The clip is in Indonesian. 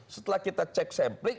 setelah kita cek sampling